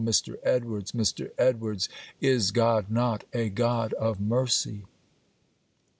Mr. Edwards! Mr. Edwards! is God not a God of mercy?